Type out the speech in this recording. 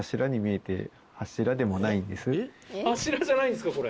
柱じゃないんですかこれ？